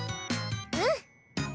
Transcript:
うん！